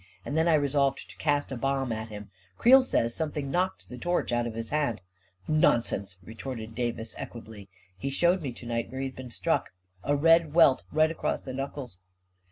And then I resolved to cast a bomb at him. " Creel says something knocked the torch out of his hand." 11 Nonsense !" retorted Davis, equably. 44 He showed me to night where he had been struck — a red welt right across the knuckles."